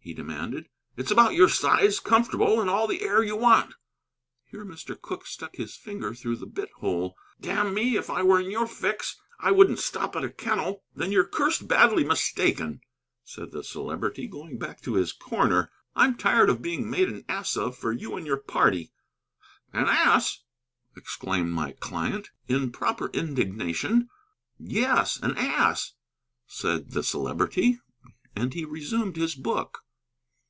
he demanded. "It's about your size, comfortable, and all the air you want" (here Mr. Cooke stuck his finger through the bit hole). "Damn me, if I were in your fix, I wouldn't stop at a kennel." "Then you're cursed badly mistaken," said the Celebrity, going back to his corner; "I'm tired of being made an ass of for you and your party." "An ass!" exclaimed my client, in proper indignation. "Yes, an ass," said the Celebrity. And he resumed his book.